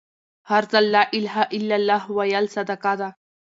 هر ځل لا إله إلا لله ويل صدقه ده